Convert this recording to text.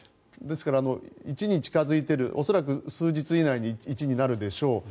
ですから、１に近付いている恐らく数日以内に１になるでしょう。